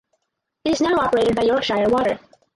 It is now operated by Yorkshire Water.